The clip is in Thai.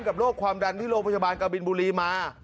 โรคความดันที่โรงพยาบาลกบินบุรีมา